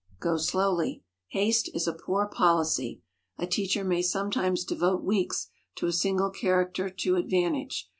Go slowly. Haste is a poor policy. A teacher may sometimes devote weeks to a single character to advantage.